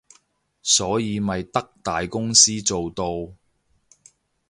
所以咪得大公司做到